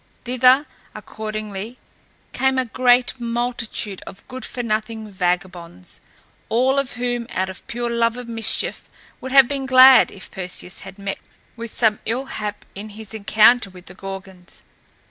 Thither, accordingly, came a great multitude of good for nothing vagabonds, all of whom, out of pure love of mischief, would have been glad if Perseus had met with some ill hap in his encounter with the Gorgons.